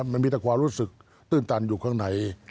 มันมีแต่ความรู้สึกตื้นตันอยู่ข้างใน